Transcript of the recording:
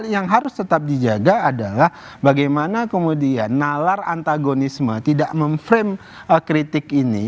yang harus tetap dijaga adalah bagaimana kemudian nalar antagonisme tidak memframe kritik ini